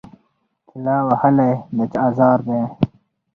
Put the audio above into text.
چي لا وهلی د چا آزار دی